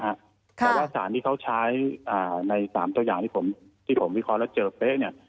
แต่ว่าสารที่เขาใช้ใน๓ตัวอย่างที่ผมวิเคราะห์แล้วเจอเป๊ะเนี่ย